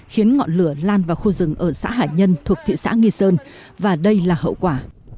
khiến ngọn lửa lan vào khu rừng ở xã hải nhân thuộc thị xã nghi sơn và đây là hậu quả